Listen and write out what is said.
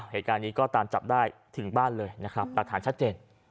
เหตุการณ์นี้ก็ตามจับได้ถึงบ้านเลยนะครับหลักฐานชัดเจน